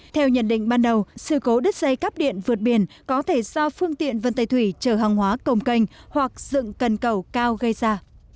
theo nhận định ban đầu sự cố đứt dây cắp điện vượt biển có thể do phương tiện vận tài thủy trở hàng hóa cồng canh hoặc dựng cần cầu cao gây ra